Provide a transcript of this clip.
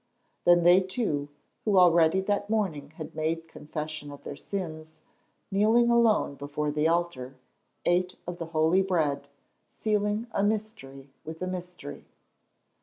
Then they two, who already that morning had made confession of their sins, kneeling alone before the altar, ate of the holy Bread, sealing a mystery with a mystery.